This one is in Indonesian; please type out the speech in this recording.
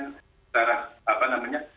secara apa namanya